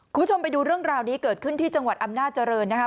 คุณผู้ชมไปดูเรื่องราวนี้เกิดขึ้นที่จังหวัดอำนาจริงนะคะ